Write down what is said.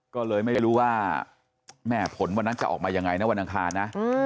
ก็เลยไม่รู้ว่าแม่ผลวันนั้นจะออกมายังไงนะวันอังคารนะ